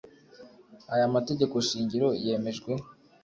aya mategeko shingiro yemejwe